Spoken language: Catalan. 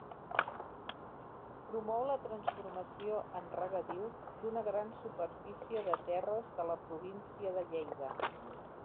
Promou la transformació en regadiu d'una gran superfície de terres de la província de Lleida.